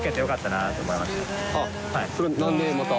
それ何でまた？